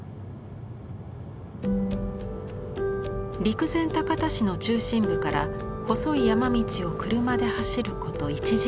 陸前高田市の中心部から細い山道を車で走ること１時間。